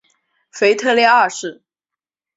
腓特烈二世。